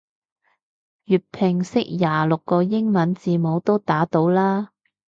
粵拼識廿六個英文字母都打到啦